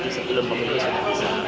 jadi sebelum pemilu sudah bisa